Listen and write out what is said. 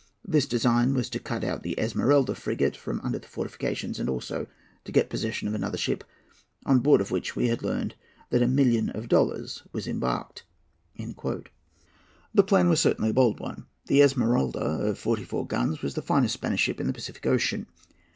This design was, to cut out the Esmeralda frigate from under the fortifications, and also to get possession of another ship, on board of which we had learned that a million of dollars was embarked." The plan was certainly a bold one. The Esmeralda, of forty four guns, was the finest Spanish ship in the Pacific Ocean.